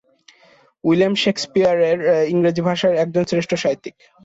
William Shakespeare ইংরেজি ভাষার শ্রেষ্ঠ সাহিত্যিক।